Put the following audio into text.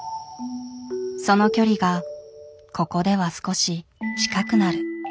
その距離がここでは少し近くなる。